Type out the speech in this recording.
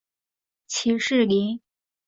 起士林。